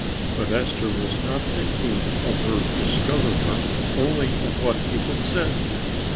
But Esther was not thinking of her discoverer, only of what he had said.